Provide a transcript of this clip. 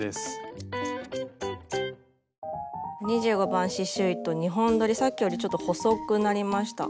２５番刺しゅう糸２本どりさっきよりちょっと細くなりました。